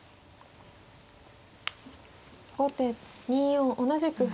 後手２四同じく歩。